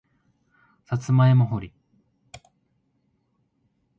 さつまいも掘り